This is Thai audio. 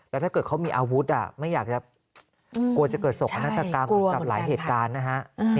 แล้วถ้าเกิดเขามีอาวุธไม่อยากจะกลัวจะเกิดโศกนาฏกรรมกับหลายเหตุการณ์นะฮะ